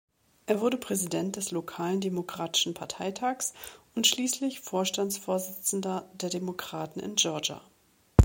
Er wurde Präsident des lokalen Demokratischen Parteitags und schließlich Vorstandsvorsitzender der Demokraten in Georgia.